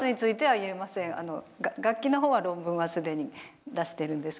楽器の方は論文は既に出してるんですけれども。